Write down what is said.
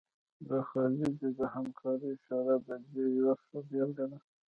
د خلیج د همکارۍ شورا د دې یوه ښه بیلګه ده